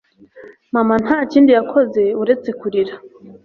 Mama nta kindi yakoze uretse kurira